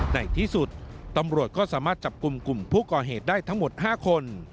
ในที่สุดตำรวจก็สามารถจับกลุ่มกลุ่มผู้ก่อเหตุได้ทั้งหมด๕คน